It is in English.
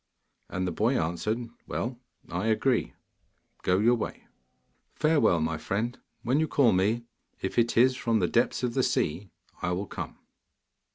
And the boy answered, 'Well, I agree; go your way.' 'Farewell, my friend. When you call me, if it is from the depths of the sea, I will come.